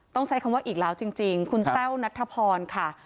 ต้องใช้คำว่าอีกแล้วจริงคุณแต้วนัทธพรค่ะ